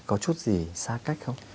có chút gì xa cách không